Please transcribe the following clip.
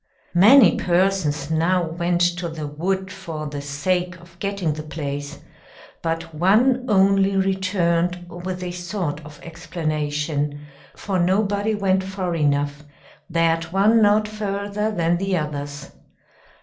Many persons now went to the wood, for the sake of getting the place, but one only returned with a sort of explanation; for nobody went far enough, that one not further than the others.